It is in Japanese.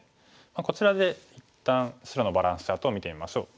こちらで一旦白のバランスチャートを見てみましょう。